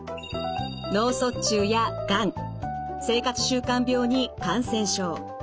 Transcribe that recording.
脳卒中やがん生活習慣病に感染症